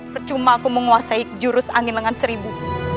percuma aku menguasai jurus angin lengan seribu